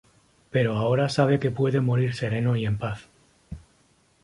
Pero ahora sabe que puede morir sereno y en paz.